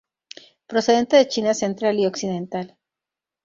Procedente de China central y occidental.